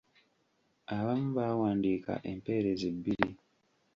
Abamu baawandiika empeerezi bbiri.